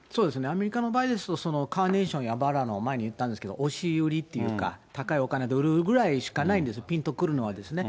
アメリカの場合ですと、カーネーションやバラの、前も言ったんですけど、押し売りというか、高いお金で売るぐらいしかないんです、ぴんとくるのはですね。